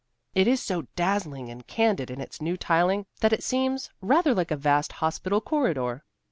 It is so dazzling and candid in its new tiling that it seems rather like a vast hospital corridor.